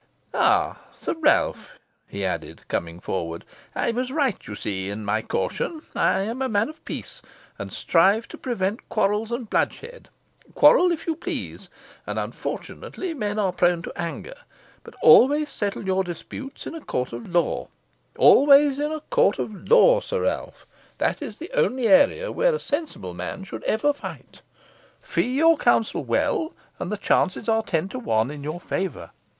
Ah, Sir Ralph," he added, coming forward, "I was right, you see, in my caution. I am a man of peace, and strive to prevent quarrels and bloodshed. Quarrel if you please and unfortunately men are prone to anger but always settle your disputes in a court of law; always in a court of law, Sir Ralph. That is the only arena where a sensible man should ever fight. Take good advice, fee your counsel well, and the chances are ten to one in your favour.